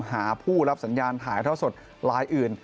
หาผู้รับสัญญาณถ่ายท่อสดลายอื่น